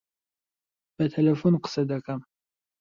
بە تەلەفۆن قسە دەکەم.